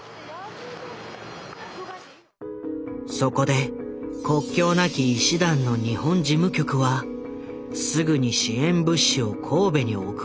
そこで国境なき医師団の日本事務局はすぐに支援物資を神戸に送ろうと動いた。